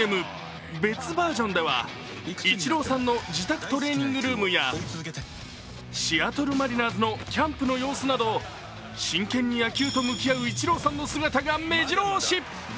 別バージョンではイチローさんの自宅トレーニングルームやシアトル・マリナーズのキャンプの様子など真剣に野球と向き合うイチローさんの姿がめじろ押し。